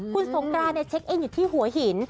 คุณสงกรานเนี่ยเช็คเองอยู่ที่หัวหิน